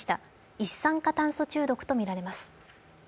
一酸化炭素中毒とみられます。